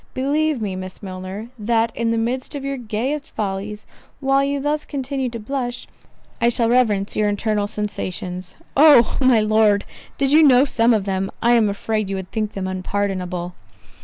Believe me, Miss Milner, that in the midst of your gayest follies, while you thus continue to blush, I shall reverence your internal sensations." "Oh! my Lord, did you know some of them, I am afraid you would think them unpardonable."